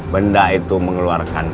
benda itu mengeluarkan